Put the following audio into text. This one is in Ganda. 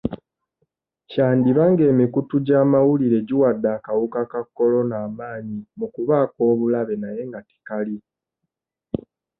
Kyandiba ng'emikutu gy'amawulire giwadde akawuka ka Corona amaanyi mu kuba ak'obulabe naye nga tekali.